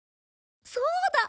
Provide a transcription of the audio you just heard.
そうだ！